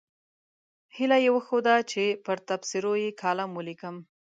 هیله یې وښوده چې پر تبصرو یې کالم ولیکم.